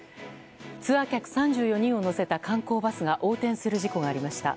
ツアー客３４人を乗せた観光バスが横転する事故がありました。